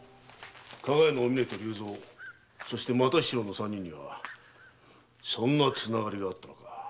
加賀屋のお峰と竜蔵そして又七郎の三人はそんなつながりがあったとはな。